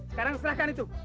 sekarang serahkan itu